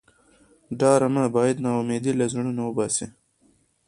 ډرامه باید ناامیدي له زړونو وباسي